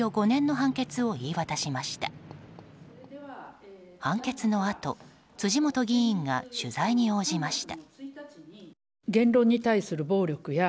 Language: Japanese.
判決のあと、辻元議員が取材に応じました。